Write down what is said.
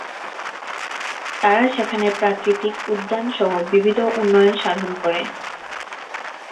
তারা সেখানে প্রাকৃতিক উদ্যান সহ বিবিধ উন্নয়ন সাধন করে।